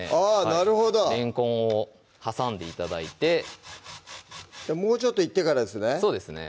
なるほどれんこんを挟んで頂いてもうちょっといってからですね